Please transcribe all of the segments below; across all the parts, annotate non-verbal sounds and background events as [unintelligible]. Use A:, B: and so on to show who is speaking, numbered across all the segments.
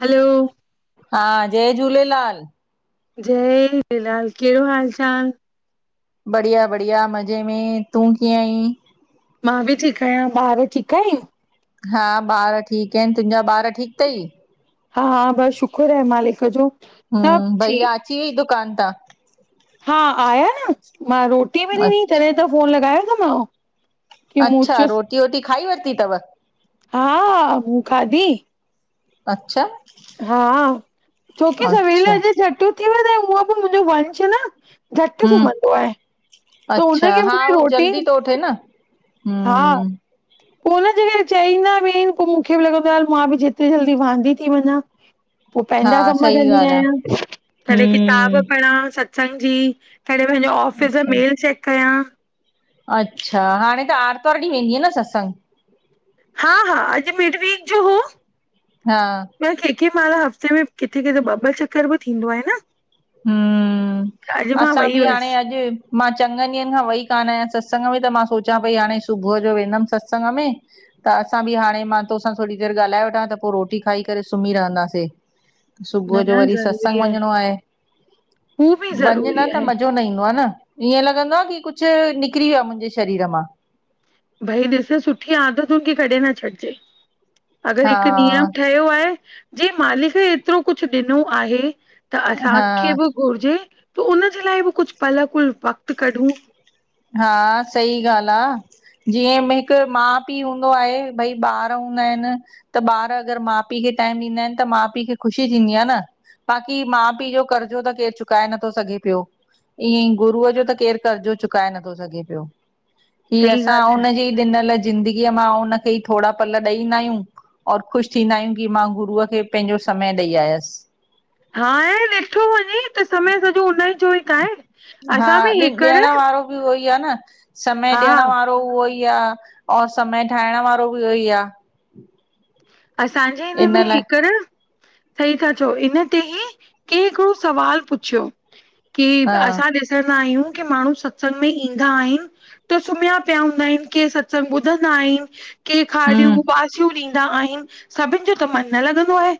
A: हलो!
B: हा, जय झूलेलाल!
A: जय झूलेलाल! केढ़ो हाल चाल?
B: बढ़िया बढ़िया मज़े में, तूं कीअं अईं?
A: मां बि ठीक आयां, ॿार ठीक आहिन?
B: हा ॿार ठीक एन, तुंजा ॿार ठीक तई?
A: हा बस शुखुरु आहे मालिक जो। सभु
B: हूं,
A: ठीक
B: भइया अची व्यई दुकान तां?
A: हा आया न, मां रोटीअ बि ॾिनी,
B: अच्छा
A: तॾहिं त फ़ोन लॻायो तमांव।
B: अच्छा, रोटी वोटी खाई वरती तव?
A: हा, मूं खाधी
B: अच्छा
A: हा, छोकी सवेल
B: अच्छा
A: असां झट उथी वेदा आयूं, हूअ बि मुंजो वंश न झटि
B: हम्म
A: सुम्हंदो आहे, त
B: अच्छा
A: उनखे
B: हा
A: मूखे
B: हू
A: रोटी
B: जल्दी थो उठे न
A: हा
B: हम्म
A: पो हुनजे करे चईंदा बि इन, पो मूखे बि लॻंदो आ, मां बि जेतरी जल्दी वांदी थी वञा।
B: इनौड़ीबल
A: पो पंहिंजा कम कंदी आयां, कॾहिं किताब
B: हम्म
A: पढ़ां सत्संग जी कॾहिं पैंजे ऑफिस जो
B: अच्छा
A: मेल चेक कयां।
B: अच्छा, हाणे त आर्तवारु ॾींहुं वेंदी न सत्संग?
A: हा हा अॼु मिड वीक जो हो।
B: हा।
A: न कंहिं कैं महिल हफ़्ते में किथे किथे ॿ ॿ [unintelligible] बि थींदो आहे न।
B: हम्,
A: त अॼु मां
B: असां
A: वई
B: बि हाणे
A: हुयसि।
B: अॼु मां चङनि ॾींहंनि खां वेई कान आहियां सत्संग में, त मां सोचां पई हाणे सुबुह जो वेंदमि सत्संग में त असां बि हाणे मां तोसां थोड़ी देरि ॻाल्हाए वठां त पोइ रोटी खाई करे सुम्ही रहंदासीं।
A: न,
B: सुबुह जो
A: न
B: वरी
A: ज़रूरी
B: सत्संग वञिणो आहे।
A: हू बि
B: वञ न
A: ज़रूरी
B: त
A: आहे।
B: मजो न ईंदो आहे न ईअं लॻंदो आहे की कुझु निकिरी वियो आहे मुंहिंजे शरीर मां।
A: भई ॾिस सुठी आदतुन खे कॾहिं न छॾिजे। अगरि
B: हा
A: हिकु नियम ठहियो आहे जे मालिक एतिरो कुझु ॾिनो आहे त
B: हा
A: असांखे बि घुरिजे त उनजे लाइ बि कुछ पल कुछ वक़्तु कढूं।
B: हा सही ॻाल्हि आ। जीअं [unintelligible] हिकु माउ पीउ हूंदो आहे, भई ॿार हूंदा आहिनि त ॿार अगरि माउ पीउ खे टाइम ॾींदा आहिनि त माउ पीउ खे ख़ुशी थींदी आहे न। बाकी माउ पीउ जो कर्जो त केरु चुकाए नथो सघे पियो। ईअं ई गुरूअ जो त केर कर्जो चुकाए नथो सघे पियो ही
A: सही ॻाल्हि
B: असां हुनजी ॾिनल जिंदगीअ मां उनखे ई थोरा पल ॾेईंदा आहियूं। और ख़ु़शि थींदा आहियूं की मां गुरूअ खे पंहिंजो समय ॾेई आयसि।
A: हाणे ॾिठो वञे त समय सॼो हुन ई जो ई त आहे।
B: हा
A: असां में हीकर
B: ॾियण वारो बि उहो ई आ न, समय
A: हा
B: ॾियण वारो उहो ई आ और समय ठाहिण वारो बि उहो ई आ।
A: असांजे हिन
B: इन
A: में
B: लाइ
A: हेकर सही था चओ, इन ते ई कंहि हिकिड़ो सुवाल पुछियो! की
B: हा
A: असां ॾिसंदा आहियूं की माण्हू सत्संग में ईंदा आहिनि त सुम्हिया पिया हूंदा आहिनि के सत्संग ॿुधंदा आहिनि के खालियूं
B: हम्म
A: उॿासियूं ॾींदा आहिनि सभिनि जो त मन न लॻंदो आहे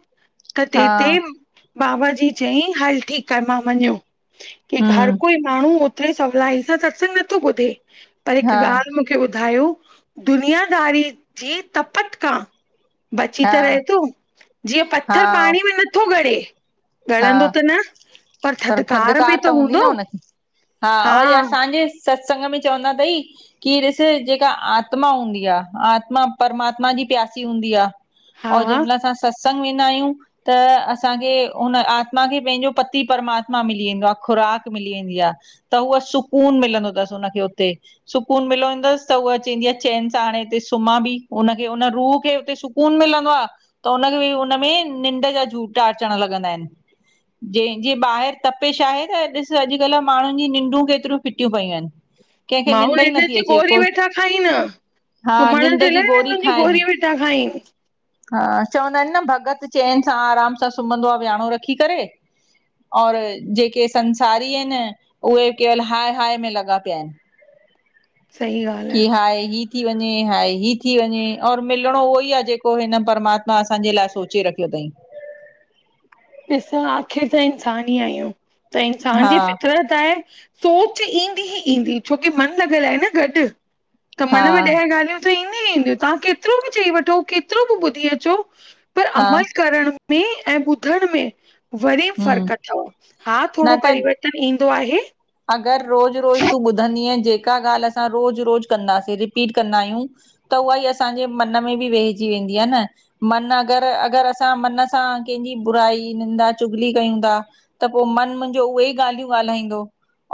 A: त
B: हा
A: तैं तेे बाबा जी चईं हल ठीक आ मां मञो कि हर
B: हम्म
A: कोई माण्हू ओतिरी सवलाई सां सत्संग नथो ॿुधे पर
B: हा
A: हिकु ॻाल्हि [unintelligible] [unintelligible] ॿुधायो दुनियादारी जे तपत खां बची
B: हा
A: त रहे थो जीअं पथर
B: हा
A: पाणी में नथो गड़े ॻणंदो
B: हा
A: त न पर थधिकार में त हूंदो
B: हा वरी असांजे सत्संग में चवंदा थई की ॾिसु जेका आत्मा हूंदी आहे आत्मा परमात्मा जी प्यासी हूंदी आहे और जंहिं
A: हा
B: महिल असां सत्संग वेंदा आहियूं त असांखे उन आत्मा खे पंहिंजो पति परमात्मा मिली वेंदो आहे ख़ुराक मिली वेंदी आहे त उअ सुकून मिलंदो अथसि हुनखे हुते सुकून मिलंदुसि त उहा चंदी आहे चैन सां हाणेते सुम्हां बि हुनखे हुन रूह खे हुतेू सुक् सुकून मिलंदो आहे त हुनखे बि उन में निंड जा झूटा अचण लॻंदा आहिनि जंहिंजे ॿाहिरि तपिश आहे त ॾिस अॼुकल्ह माण्हुनि जी निंडूं केतिरियूं फिटियूं पयूं आहिनि कंहिंखे
A: माण्हू
B: निंड ई नथी
A: जी
B: अचे
A: गोरी
B: को
A: वेठा खाइनि
B: हा
A: सुम्हण
B: निंड
A: जे
B: जी
A: लाइ
B: गोरी
A: निंड
B: खाइनि
A: वेठा खाइनि
B: हा चवंदा आहिनि न भॻत चैन सां आराम सां सुम्हंदो आहे विह्यांणो रखी करे और जेके संसारी आहिनि उहे केवल हाय हाय में लॻा पिया आहिनि
A: सही [unintelligible]
B: कि हाए ई थी वञे, हाए ई थी वञे और मिलणो उहो ई आहे जेको हिन परमात्मा असांजे लाइ सोचे रखियो अथई।
A: ॾिसां आख़िर त इंसानु ई आहियूं त
B: हा
A: इंसानु जी फितरतु त सोच ईंदी ही ईंदी छोकी मन लॻल आहे न गॾु। त
B: हा
A: मन में ॾह ॻाल्हियूं त ईंदिय ई ईंदियूं तव्हां केतिरो बि चई वठो केतिरो बि ॿुधी अचो। पर
B: हा
A: अमल करण में ऐं ॿुधण में वरी
B: हम्म
A: फ़र्क़ु अथव हा
B: न
A: थोरो
B: त
A: परिवर्तन ईंदो आहे।
B: अगरि रोज़ु रोज़ु तूं ॿुधंदीअ जेका ॻाल्हि असां रोज़ु रोज़ु कंदासीं रिपीट कंदा आहियूं। त उहा ई असांजे मन में बि वेहिजी वेंदी आहे न मन अगरि अगरि असां मन सां कंहिंजी बुराई निंंदा चुगली कयूं था। त पो मन मुंहिंजो उहे ई ॻाल्हियूं ॻाल्हाईंदो।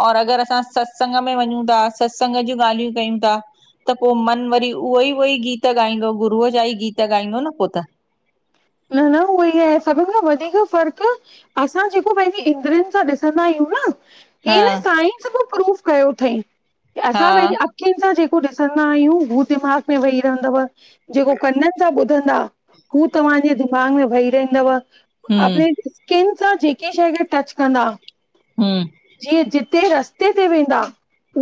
B: और अगरि असां सत्संग में वञूं था सत्संग जूं ॻाल्हियूं कयूं था। त पो मन वरी उहो ई उहो ई गीत ॻाईंदो गुरूअ जा ई गीत ॻाईंदो न पो त
A: न न उहोई कै सभिनि खां वधीक फ़र्क असां जेको पंहिंजी इंद्रियुनि सां ॾिसंदा आहियूं न। ही
B: हा
A: न साइंस प्रूफ कयो अथई कि
B: हा
A: असां पंहिंजे अखियुनि सां जेको ॾिसंदा आहियूं हू दिमाग़ में वेही रहंदव जेको कननि सां ॿुधंदा हू तव्हांजे दिमाग़ में वही रहंदव।
B: हम
A: [unintelligible] स्किन सां जेकी शइ खे टच कंदा।
B: हम्म।
A: जीअं जिते रस्ते ते वेंदा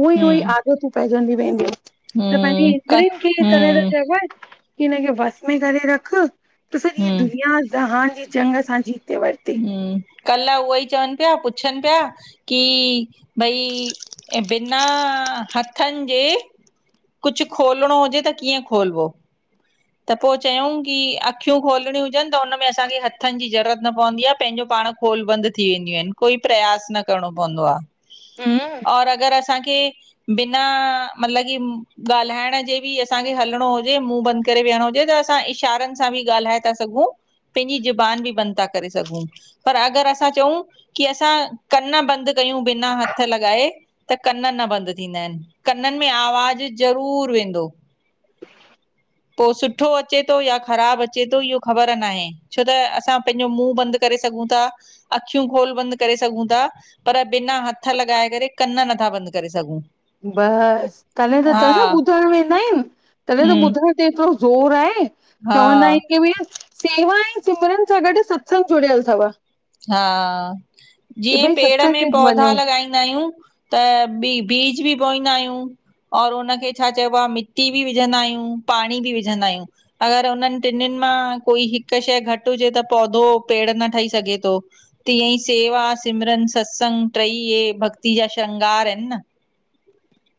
A: उई उई
B: हम
A: आदतूं पइजंदूं वेंदियूं। त पंहिंजी
B: हम क
A: इंद्रियुनि खे तॾे त
B: हम
A: चइबो आहे कि हिनखे बस में करे रख। त सॼी
B: हम
A: दुनिया ज़हान जी जंग असां जीते वरति।
B: हम्म, कल्ह उहे ई चवनि पिया पुछनि पिया कि भई ऐं बिना हथनि जे कुझु खोलणो हुजे त कीअं खोलवो? त पो चयूं की अखियूं खोलणियूं हुजनि त हुनमें असांखे हथनि जी ज़रूरत न पवंदी आहे पंहिंजो पाण खोल बंद थी वेंदियूं आहिनि। कोई प्रयास न करणो पवंदो आहे।
A: हम्म
B: और अगरि असांखे बिना मतलब कि ॻाल्हाइण जे बि असांखे हलणो हुजे मुं बंदि करे वेहणो हुजे त असां इशारनि सां बि ॻाल्हाए था सघूं। पंहिंजी ज़बान बि बंदि था करे सघूं। पर अगरि असां चऊं की असां कनि बंदि कयूं बिना हथ लॻाए त कन न बंदि थींदा आहिनि। कननि में आवाज़ ज़रूर वेंदो। पो सुठो अचे थो या ख़राबु अचे थो इहो ख़बर न आहे। छो त असां पंहिंजो मुंहुं बंदि करे सघूं था अख़ियूं गोल बंदि करे सघूं था। पर बिना हथ लॻाए करे कन नथा बंदि करे सघूं।
A: बसि, तॾहिं त त न
B: हा,
A: ॿुधण वेंदा आहिनि तॾहिं त
B: हम्म,
A: ॿुधण ते ज़ोर आहे, चवंदा
B: हा,
A: आहिनि की भईया सेवा ऐं सिमरन सां गॾु सत्संग जुड़ियल अथव।
B: हा,
A: की
B: जीअं
A: भई
B: पेड़
A: सत्संग
B: में
A: ते वञो
B: पौधा लॻाईंदा लगाईंदा आहियूं त बि बीज बि बोईंदा आहियूं। और हुनखे छा चइबो आहे मिटी बि विझंदा आहियूं पाणी बि विझंदा आहियूं। अगरि हुनननि टिनिनि मां कोई हिकु शइ घटि हुजे त पौधो पेड़ न ठही सघे। तो तीअअं ई सेवा सिमरन सत्संग टई इ भक्ती जा श्रंगार आहिनि न।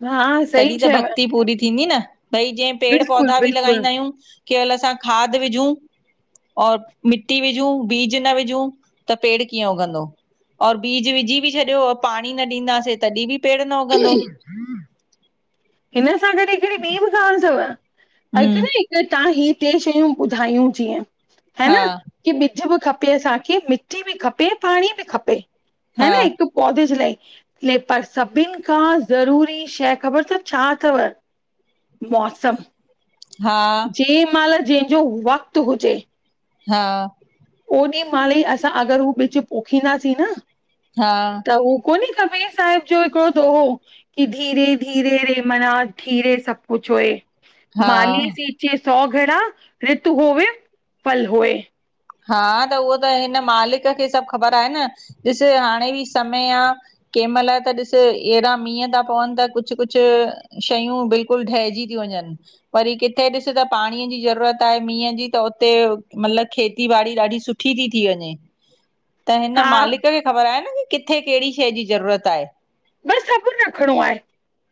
A: हा। सही
B: तॾीं त
A: चयव
B: भक्ति पूरी थींदी न, भई जीअं पेड़
A: बिल्कुलु
B: पौधा बि
A: बिल्कुलु
B: लॻाईंदा आहियूं केवल असां खाद विझूं और मिट्टी विझूं बीज न विझूं त पेड़ कीअं उगंदो? और बीज विझी बि छॾियो ओ पांणी न ॾींदासें तॾी बि पेड़ न उगंदो।
A: हिन सां गॾु हिकड़ी ॿी बि ॻाल्हि थव, [unintelligible]
B: हम्म
A: न त तव्हां ही ट्रे शयूं ॿुधायूं जीअं, हा न की ॿिज बि खपे असांखे, मिट्टी बि खपे, पांणी बि खपे हा न हिकु पौधे जे लाइ पर सभिनि खां ज़रूरी शंएं ख़बर थव छा थव मौसमु।
B: हा।
A: जें महिल जंहिंजो वक़्तु हुजे
B: हा।
A: ओॾी महिल ई असां अगरि हू ॿिजु पोखींदासीं न
B: हा।
A: त हू कोन्हे कबीर साहिब जो हिकिड़ो दोहो की धीरे -धीरे रे मना धीरे सभु कुछु हुए
B: हा
A: माली सीचें सौ घङा, रितू होवे फल होए।
B: हा त उहो त हिन मालिक खे सभु ख़बर आहे, न ॾिसु हाणे बि समय आ केहिमल त ॾिसु ऐड़ा मींहं ता पवनि त कुछु -कुछु शयूं बिल्कुलु ढहिजी त्यूं वंञंनि। वरी कित्थे ॾिसु त पांणीअ जी ज़रूरत आहे मींहं जी त उते मतिलबु खेत ती बाड़ी ॾाढी सुठी ती थी वंञे त हिन
A: हा
B: मालिक खे ख़बर आहे न की कित्थे केड़ी शंइ जी ज़रूरत आहे।
A: बसि सबुर रखिणो आहे,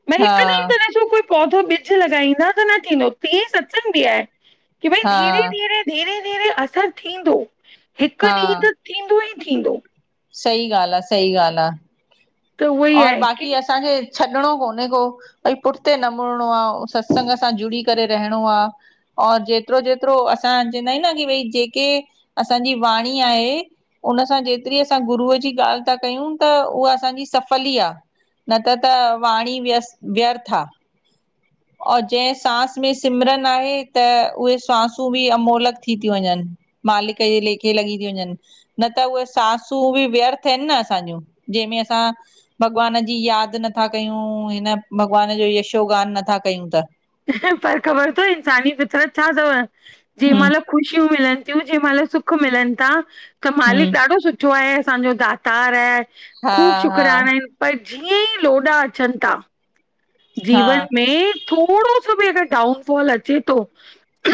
A: भई
B: हा
A: हिकदमि त ॾिसो कोई पौधो ॿिजु लॻाईंदा त न थींदो, तेज़ अचनि बि आहे की भई
B: हा
A: धीरे -धीरे धीरे धीरे असरु थींदोे, हिक्
B: हा।
A: थींदो ई थींदो।
B: सही ॻाल्हि आ सही ॻाल्हि आ
A: त उहो ई
B: और
A: आहे की
B: बाक़ी असांजे छॾिणो कोन्हे को भई पुठिते न मुड़णो आ सत्संग सां जुड़ी करे रहणो आ। और जेतिरो- जेतिरो असां चईंदा आहियूं न की भई जेके असांजी वाणी आहे उन्ह सां जेतिरी असां गुरूअ जी ॻाल्हि ता कयूं त उहा असांजी सफ़ फल ई आ न त त वाणी व्यस् व्यर्थ आ। और जंहिं सांस में सिमरन आहे त उहे स्वांसूं बि अमोलक थी त्यूं वंञंनि। मालिक जे लेखे लॻी तियूं वंञंनि। न त उहे सासूं बि व्यर्थ इनि न असांजूं जंहिंमें असां भॻवान जी याद नथा कयूं हिन भॻवान जो यशोगान नथा कयूं त
A: पर ख़बर थव इन्सानी फितरत छा थव जंहिं
B: हम्म
A: मल ख़ुशियूं मिलन तियूं जहि मल सुख मिलन था, त मालिक
B: हम्म
A: ॾाढो सुठ सुठो आहे असांजो दातार आहे
B: हा
A: ख़ूब
B: हा
A: शुकराना इनि पर जीअं ई लोॾा अचन ता
B: हा
A: जीवन में थोड़ो सो बि अगर डाउन फॉल अचे तो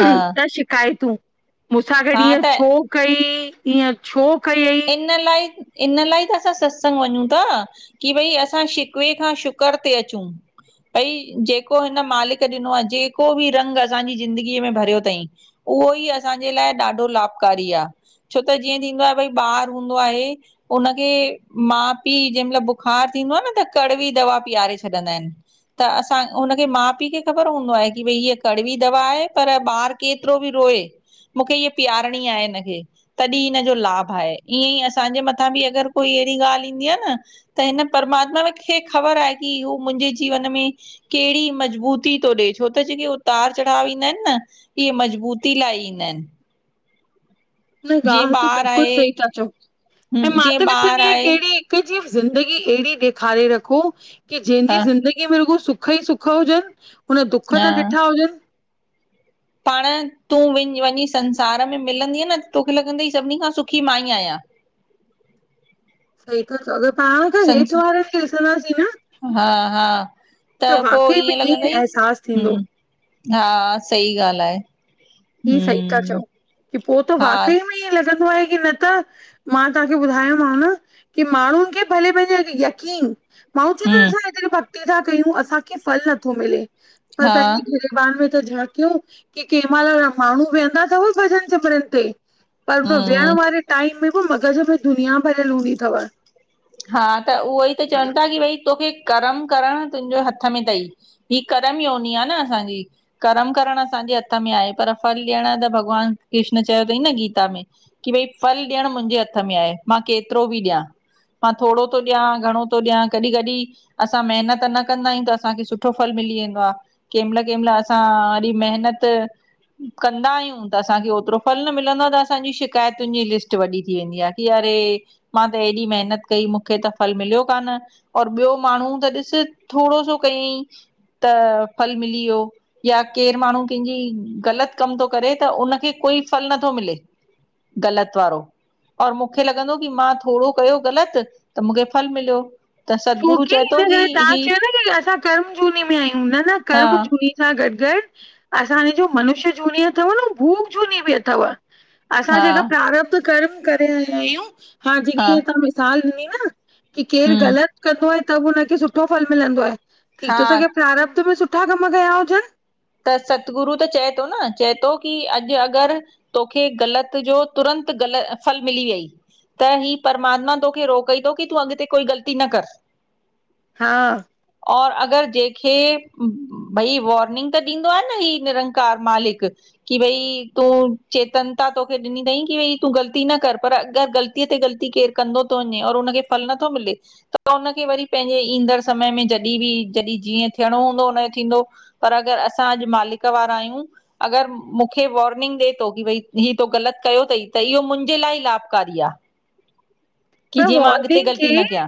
B: हा
A: शिकायतूं मुसां गॾु
B: हा
A: ईएंं
B: त
A: छो कई ईंयं छो कअयी
B: इन लाइ इन लाइ त असां सत्संग वञूं था। ककि भई असां शिकवे खां शुकर ते अचूं। भई जेको हिन मालिक ॾिनो आ, जेको बि रंग असांजी ज़िंदगीअ में भरियो अथई उहो ई असांजे लाइ ॾाढो लाभकारी आ, छो त जीअं थींदो आ भई ॿार हूंदो आहे उनखे मा पी जंहिं मइल बुखार थींदो आ न त कड़वी दवा पीआरे छॾींदा आहिन। त असां हुनखे मा पी खे ख़बर हूंदो आहे कि भई हीअ कड़वी दवा आहे पर ॿार केतिरो बि रोए मूंखे इअ पीआारणी आहे हिनखे तॾहिं हिन जो लाभ हा ईअं ई असांजे मथां बि अगरि कोई अहिड़ी ॻाल्हि ईंदी आ न त हिन परमात्मा खे ख़बर आहे कि हू मुंहिंजे जीवन में केड़ी मज़बूती थो ॾेए, छो त जेके उतार चढ़ाव ईंदा आहिन न इहे मज़बूती लाइ ईंदा आहिन।
A: न ॻाल्हि त
B: ॿार
A: बिल्कुल
B: आहे
A: सही था चओ, ऐं मां त
B: जीअं ॿार
A: ॾिसंदी आ
B: आहे
A: केहड़ी ज़िंदगी एड़ी ॾेखारे रखो, के जहिंजी
B: हा
A: ज़िंदगी कि बिल्कुल सुख ई सुख हुजनि, हुन दुख
B: हा
A: न ॾिठा हुजन।
B: पाण तूं विञ वंञी संसार में मिलंदीअ न तोखे लॻंदोे सभिनी खां सुखी मां ई आहियां।
A: सही त चयो अर पाण खां हेठि
B: संसार
A: वारनि खे ॾिसंदासीं न
B: हा- हा त पोइ
A: वाकई में
B: ईअं
A: ई
B: लॻंदई
A: अहसासु
B: ह
A: थींदो
B: हा सही ॻाल्हि आहे।
A: हीअ सही था
B: हम्म
A: चओ, कि पो त
B: हा
A: वाकई में ईअं लॻंदो आ कि न त मां तव्हांखे ॿुधायो मांव न कि माण्हुनि खे भले पंहिंजे यकीन माण्हु
B: हम्म
A: चईंदाअसां हेतरी भक्ति था कयूं, असांखे फल नथो मिले पर
B: हा
A: पंहिंजी घ पाण में त झांकियूं कि कंहिं मइल माण्हूँ वेहंदा थव भॼन सिमरन ते। पर हुन विहण
B: हम्म
A: वारे टाइम में बि मग़ज़ में दुनिया भरियल हूंदी अथव।
B: हा त उहो ई त चवन था कि भई तोखे कर्म करण तुंहिंजे हथ में थई। ही करम योनी आ न असांजी। कर्म करण असांजे हथ में आहे पर फल ॾियणु त भॻवान कृष्ण चयो थईं न गीता में। कि भई फल ॾियण मुंहिंजे हथ में आहे, मां केतिरो बि ॾियां। मां थोड़ो थो ॾिया, घणो थो ॾिया, कॾि कॾिं असां मेहनत न कंदा आहियूं त असांखे सुठो फल मिली वेंदो आ। कंहिं मइल कंहिं मइल असां वरी महिनत कंदा आहियूं त असांखे ओतरो फल न मिलंदो आहे त असांजी शिकायतुनि जी लिस्ट वॾी थी वेंदी आहे। कि अरे मां त एॾी मेहनत कई मूंखे त फल मिलियोइ कान और ॿियो माण्हू त ॾिस थोड़ो सो कईं त फल मिली वियो। या केरु माण्हू कंहिंजी ग़लत कम थो करे त उनखे कोई फल नथो मिले ग़लत वारो और मूंखे लॻंदो कि मां थोड़ो कयो ग़लत त मूंखे फल मिलयो।
A: छोकि हिन करे तव्हां चयो न कि असां कर्म जूनी में आहियूं, न- न
B: हा
A: कर्म जूनी सां गॾु गॾु असांजे जो मनुष्य जूनी अथव न भूत जूनी बि अथव। असां
B: हा
A: जेका प्रारब्ध कर्म करे आया आहियूं, हा जेकी तव्हां मिसाल ॾिनी न कि केर
B: हम्म
A: ग़लत कंदो आहे त बि हुनखे सुठो फल मिलंदो आहे, थी तो
B: हा
A: सघे प्रारब्ध में सुठा कम कया हुजन!
B: त सतगुरू त चए थो न, चए थो कि अॼु अगरि तोखे ग़लति जो तुरंत ग़लति फल मिली वियई त ही परमात्मा तोखे रोकई थो कि तूं अॻिते कोई ग़लती न कर।
A: हा
B: और अगरि जेकखे भई वॉर्निंग त ॾींदो आहे न ही निरंकार मालिक कि भई तूं चेतन ता तोखे ॾिनी तई क भई तूं ग़ली न कर पर अगर ग़लती गलतीं अ ते ग़लती केरु कंदो थो वञे और हुनखे फल नथो मिले त हुनखे वरी पंहिंजे ईंदड़ समय में जॾहिं बि जॾहिं जीअं थियणो हूंदो हुनजो थींदो। पर अगरि असां अॼु मालिक वारा आहियूं अगरि मूंखे वॉर्निंग ॾेए थो की भई ही त ग़लति कयो अथई त इहो मुंहिंजे लाइ लाभकारी आहे की
A: पर
B: जीअ मां अॻ ते
A: वॉर्निंग
B: ग़लती
A: खे
B: न कया।